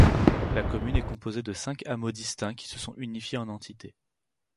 La commune est composée de cinq hameaux distincts qui se sont unifiés en entité.